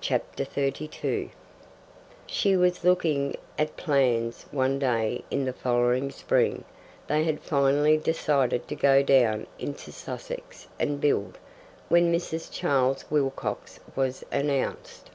Chapter 32 She was looking at plans one day in the following spring they had finally decided to go down into Sussex and build when Mrs. Charles Wilcox was announced.